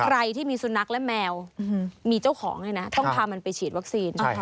ใครที่มีสุนัขและแมวมีเจ้าของเลยนะต้องพามันไปฉีดวัคซีน